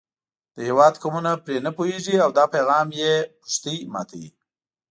د هېواد قومونه پرې نه پوهېږي او دا پیغام یې پښتۍ ماتوي.